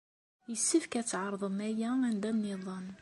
Yessefk ad tɛerḍem aya anda niḍen.